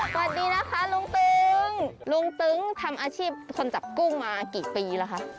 สวัสดีนะคะลุงตึงลุงตึ้งทำอาชีพคนจับกุ้งมากี่ปีแล้วคะ